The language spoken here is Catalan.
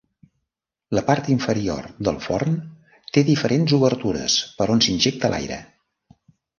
La part inferior del forn té diferents obertures per on s'injecta l'aire.